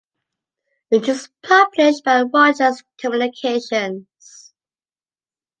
It is published by Rogers Communications.